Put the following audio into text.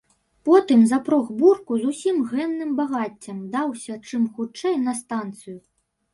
Потым запрог бурку і з усім гэным багаццем даўся чым хутчэй на станцыю.